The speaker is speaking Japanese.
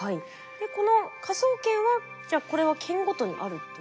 でこの科捜研はじゃあこれは県ごとにあるということですか？